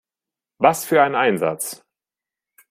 Was für ein Einsatz!